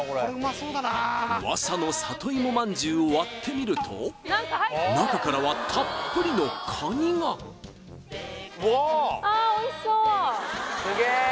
噂の里いもまんじゅうを割ってみると中からはたっぷりのカニがうわあ！